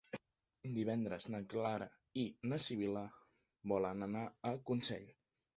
Divendres na Clara i na Sibil·la volen anar a Consell.